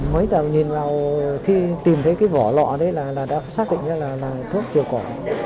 mấy tầm nhìn vào khi tìm thấy cái vỏ lọ đấy là đã xác định ra là thuốc trừ cỏ